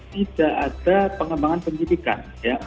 tidak ada pengembangan pendidikan ya